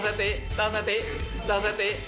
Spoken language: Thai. สติตั้งสติตั้งสติ